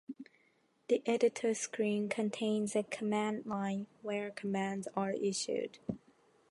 The editor screen contains a command line where commands are issued.